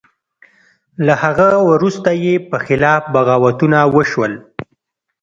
له هغه وروسته یې په خلاف بغاوتونه وشول.